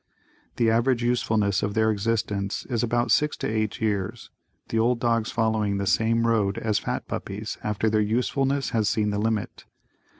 The average usefulness of their existence is about 6 to 8 years, the old dogs following the same road as fat puppies, after their usefulness has seen the limit.